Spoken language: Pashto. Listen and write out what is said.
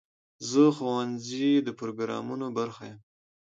زه د ښوونځي د پروګرامونو برخه یم.